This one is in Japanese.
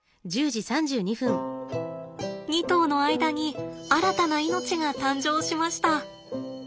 ２頭の間に新たな命が誕生しました。